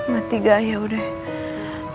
mati gak yaudah